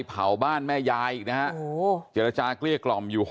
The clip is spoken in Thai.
เผาบ้านแม่ยายอีกนะฮะเจรจาเกลี้ยกล่อมอยู่